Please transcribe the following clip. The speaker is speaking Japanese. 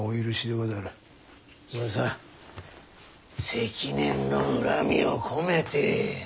積年の恨みを込めて。